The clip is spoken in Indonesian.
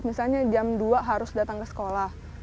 misalnya jam dua harus datang ke sekolah